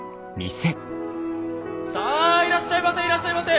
さあいらっしゃいませいらっしゃいませ！